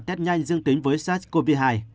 test nhanh dương tính với sars cov hai